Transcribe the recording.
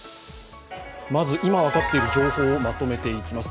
今分かっている情報をまとめていきます。